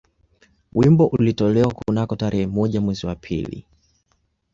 Wimbo ulitolewa kunako tarehe moja mwezi wa pili